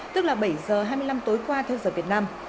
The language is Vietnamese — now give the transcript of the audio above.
tức là bảy giờ hai mươi năm tối qua theo giờ việt nam